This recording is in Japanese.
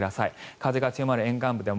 風が強まる沿岸部では